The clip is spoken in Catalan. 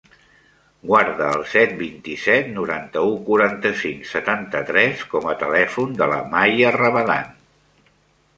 Guarda el set, vint-i-set, noranta-u, quaranta-cinc, setanta-tres com a telèfon de la Maia Rabadan.